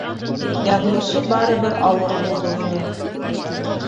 Яҙмышы барыбер ауыр булды уның.